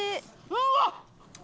うわっ！